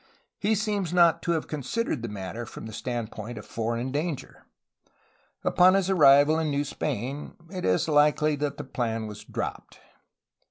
He seems not to have considered the matter from the standpoint of foreign danger. Upon his arrival in New Spain it is hkely that the plan was dropped.